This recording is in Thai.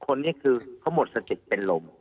คนนี้คือเขาหมดสติเป็นลม